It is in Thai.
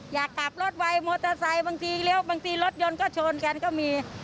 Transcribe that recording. อยากกลับรถไวมอเตอร์ไซค์บางทีเลี้ยวบางทีรถยนต์ก็ชนกันก็มี